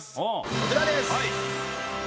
こちらです。